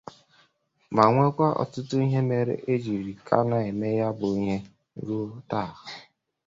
mà nwekwa ọtụtụ ihe mere e jiri ka na-eme ya bụ ihe ruo taa